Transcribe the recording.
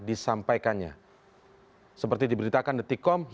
penyampaian alam moral juga harus berubah